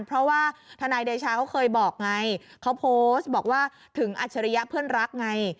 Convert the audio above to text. เพราะว่าทนายเดชาเขาเคยบอกไงเขาโพสต์บอกว่าถึงอัจฉริยะเพื่อนรักไง